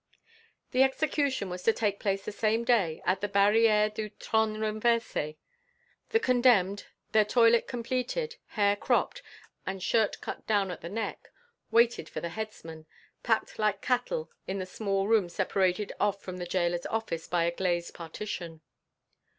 The execution was to take place the same day at the Barrière du Trone Renversé. The condemned, their toilet completed, hair cropped and shirt cut down at the neck, waited for the headsman, packed like cattle in the small room separated off from the Gaoler's office by a glazed partition.